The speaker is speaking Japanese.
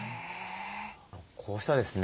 こうしたですね